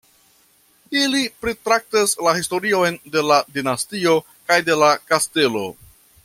Ili pritraktas la historion de la dinastio kaj de la kastelo.